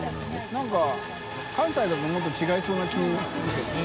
燭関西だともっと違いそうな気するけど。